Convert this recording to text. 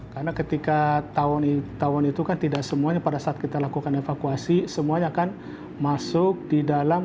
karena ketika tawon itu kan tidak semuanya pada saat kita lakukan evakuasi semuanya akan masuk di dalam